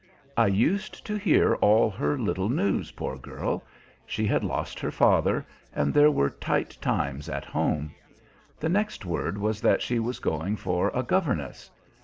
I used to hear all her little news, poor girl. She had lost her father, and there were tight times at home. The next word was that she was going for a governess.